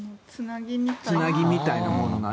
つなぎみたいなものが。